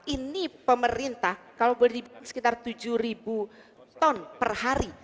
ini pemerintah kalau boleh di sekitar tujuh ribu ton per jam